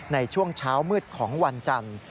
ในช่วงเช้ามืดของวันจันทร์